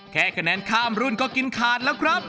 แค่คะแนนข้ามรุ่นก็กินขาดแล้วครับ